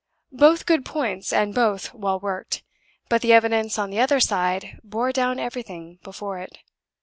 Both good points, and both well worked; but the evidence on the other side bore down everything before it.